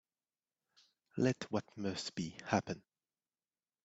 Let what must be, happen.